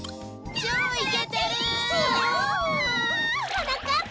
はなかっ